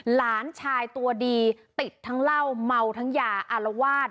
หลานชายตัวดีติดทั้งเหล้าเมาทั้งยาอารวาส